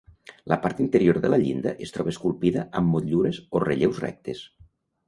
La part interior de la llinda es troba esculpida amb motllures o relleus rectes.